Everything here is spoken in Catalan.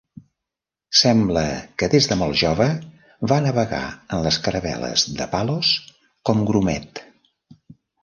Sembla que des de molt jove va navegar en les caravel·les de Palos com grumet.